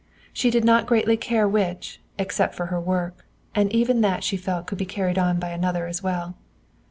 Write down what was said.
She did not greatly care which, except for her work, and even that she felt could be carried on by another as well.